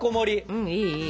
うんいいいい！